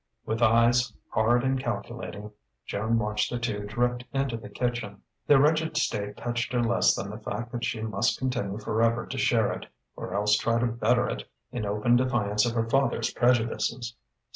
With eyes hard and calculating, Joan watched the two drift into the kitchen. Their wretched state touched her less than the fact that she must continue forever to share it, or else try to better it in open defiance of her father's prejudices.